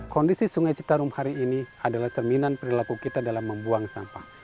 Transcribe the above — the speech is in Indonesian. kondisi sungai citarum hari ini adalah cerminan perilaku kita dalam membuang sampah